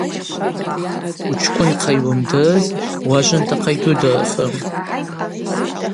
Учкӏвынхъа йуымдырыз уажвынтахъа йгьудырхрым.